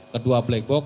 kedua black box